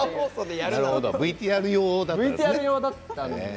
ＶＴＲ用だったんですね。